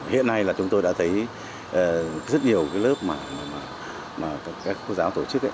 hiện nay là chúng tôi đã thấy rất nhiều lớp mà các khu giáo tổ chức